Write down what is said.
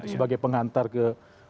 sebagai penghantar ke dua ribu sembilan belas